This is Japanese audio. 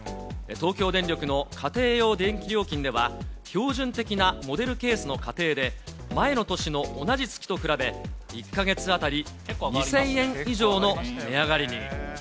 東京電力の家庭用電気料金では、標準的なモデルケースの家庭で、前の年の同じ月と比べ、１か月当たり２０００円以上の値上がりに。